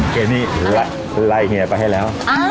เกี๊ยมนี้ละใหลเฮียไปให้แล้ว